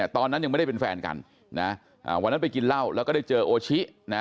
ตอนนั้นยังไม่ได้เป็นแฟนกันวันนั้นไปกินเหล้าแล้วก็ได้เจอโอชินะ